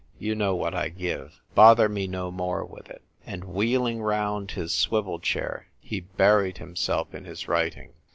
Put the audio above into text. You know what I give. Bother me no more with it." And wheeling round his swivel chair, he buried himself in his writing.